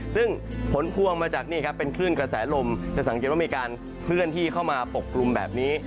ซึ่งผลพวงมาจากนี่ครับเป็นคลื่นกระแสลมจะสังเกตว่ามีการเคลื่อนที่เข้ามาปกกลุ่มแบบนี้